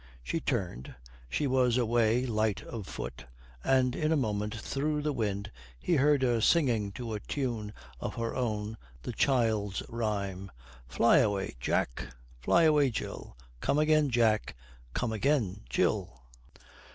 She turned, she was away light of foot, and in a moment through the wind he heard her singing to a tune of her own the child's rhyme: "Fly away, Jack, Fly away, Jill, Come again, Jack, Come again, Jill."